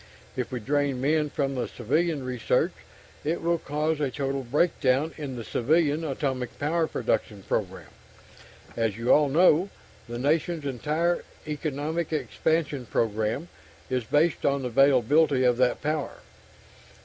If we drain men from civilian research, it will cause a total breakdown in the civilian atomic power production program. As you all know, the nation's entire economic expansion program is based on the availability of that power.